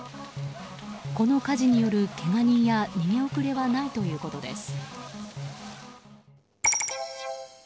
この火事によるけが人や逃げ遅れはないということです。